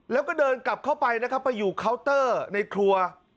แล้วก็เดินกลับเข้าไปนะครับไปอยู่เคาน์เตอร์ในครัว